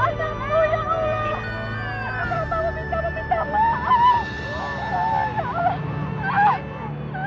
sayangnya aku bisa menunggu ibu